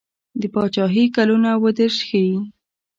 د پاچهي کلونه اووه دېرش ښيي.